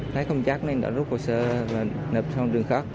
thấy không chắc nên đã rút hồ sơ và nộp trong trường khác